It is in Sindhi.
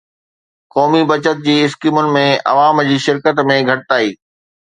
قومي بچت جي اسڪيمن ۾ عوام جي شرڪت ۾ گهٽتائي